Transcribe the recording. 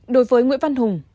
đối với nguyễn văn hùng